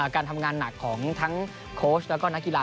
การทำงานหนักของทั้งโพสต์และนักกีฬา